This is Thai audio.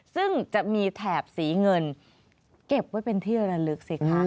ซึ่งจะมีแถบสีเงินเก็บไว้เป็นที่ระลึกสิคะ